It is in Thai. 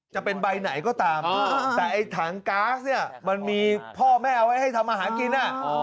จะเป็นใบไหนก็ตามแต่ไอ้ถังก๊าซเนี่ยมันมีพ่อแม่เอาไว้ให้ทำอาหารกิน